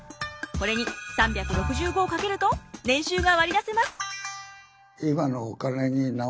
これに３６５を掛けると年収が割り出せます。